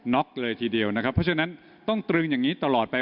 ็อกเลยทีเดียวนะครับเพราะฉะนั้นต้องตรึงอย่างนี้ตลอดไป